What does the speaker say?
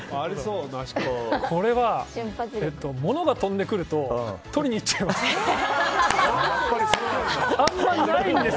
これは、物が飛んでくると取りに行っちゃいます。